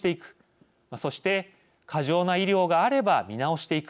そして過剰な医療があれば見直していく。